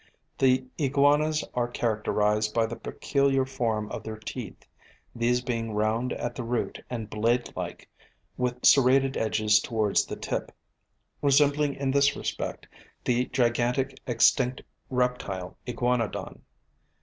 The iguanas are characterized by the peculiar form of their teeth, these being round at the root and blade like, with serrated edges towards the tip, resembling in this respect the gigantic extinct reptile Iguanodon.